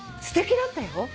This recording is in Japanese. すてきだったよ。